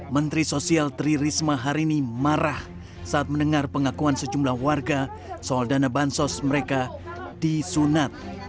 menteri sosial tri risma hari ini marah saat mendengar pengakuan sejumlah warga soal dana bansos mereka disunat